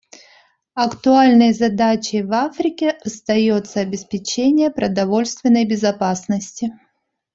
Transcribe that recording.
Актуальной задачей в Африке остается обеспечение продовольственной безопасности.